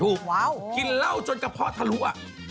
ถูกกินเหล้าจนกระเพาะทะลัว